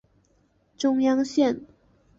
中央线